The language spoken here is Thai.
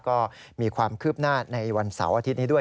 ก็มีความคืบหน้าในวันเสาร์อาทิตย์นี้ด้วย